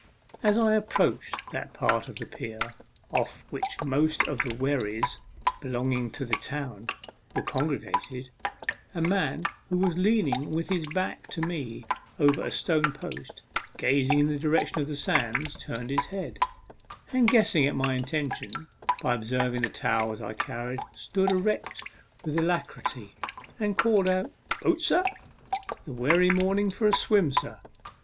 A s I approached that part of the pier off which most of the wherries belonging to the town were congregated, a man who was leaning with his back to me over a stone post, gazing in the direction of the sands, turned his head, arid, guessing at my intention, by observing the towels I carried, stood erect with alacrity, and called out " Boat, sir ? The werry morning for a swim, sir.